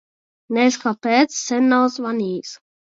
Nez kāpēc sen nav zvanījis.